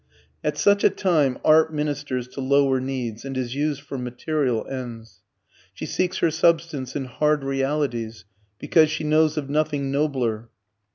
At such a time art ministers to lower needs, and is used for material ends. She seeks her substance in hard realities because she knows of nothing nobler.